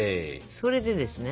それでですね